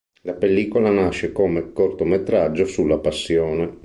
La pellicola nasce come cortometraggio sulla Passione.